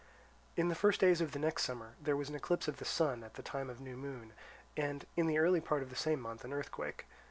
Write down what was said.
In first days of the next summer there was an eclipse of the sun at the time of new moon, and in the early part of the same month an earthquake.